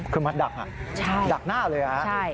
คือมัดดักดักหน้าเลย